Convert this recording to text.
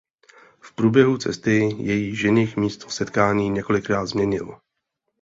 V průběhu cesty její ženich místo setkání několikrát změnil.